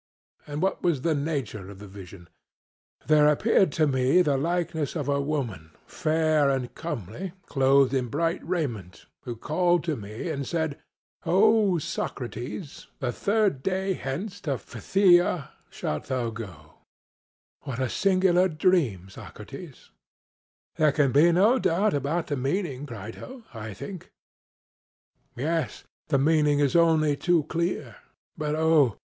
CRITO: And what was the nature of the vision? SOCRATES: There appeared to me the likeness of a woman, fair and comely, clothed in bright raiment, who called to me and said: O Socrates, 'The third day hence to fertile Phthia shalt thou go.' (Homer, Il.) CRITO: What a singular dream, Socrates! SOCRATES: There can be no doubt about the meaning, Crito, I think. CRITO: Yes; the meaning is only too clear. But, oh!